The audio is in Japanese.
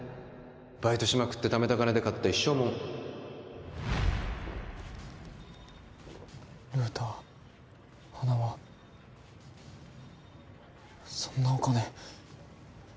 バイトしまくってためた金で買った一生もんルーター花輪そんなお金